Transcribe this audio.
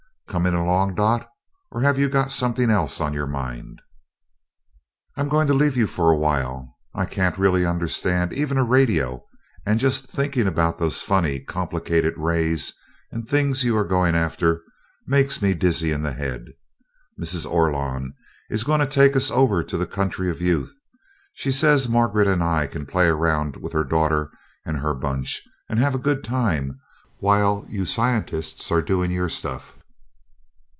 Coming along, Dot, or have you got something else on your mind?" "I'm going to leave you for a while. I can't really understand even a radio, and just thinking about those funny, complicated rays and things you are going after makes me dizzy in the head. Mrs. Orlon is going to take us over to the Country of Youth she says Margaret and I can play around with her daughter and her bunch and have a good time while you scientists are doing your stuff."